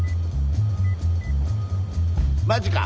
マジか。